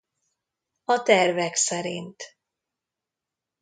A tervek szerint.